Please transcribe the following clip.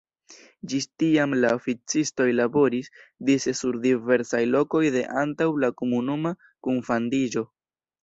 Ĝis tiam la oficistoj laboris dise sur diversaj lokoj de antaŭ la komunuma kunfandiĝo.